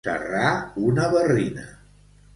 Serrar una barrina.